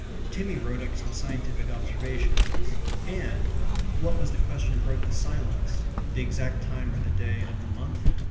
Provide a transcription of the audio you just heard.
Timmy wrote up some scientific observations; and what was the question that broke the silence the exact time or the day of the month?